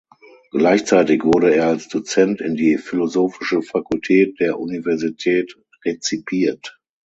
Gleichzeitig wurde er als Dozent in die Philosophische Fakultät der Universität rezipiert.